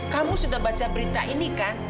kamu sudah baca berita ini kan